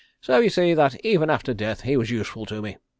So you see that even after death he was useful to me.